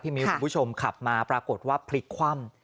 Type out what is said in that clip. พี่มิวสิ่งผู้ชมขับมาปรากฏว่าพลิกคว่ำ